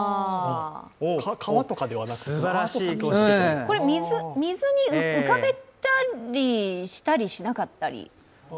川とかではなく水に浮かべたりしたりしなかったり？